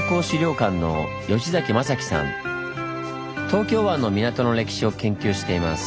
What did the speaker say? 東京湾の港の歴史を研究しています。